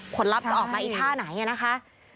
ผลลัพธ์จะออกมาอีกท่าไหนอย่างนี้นะคะ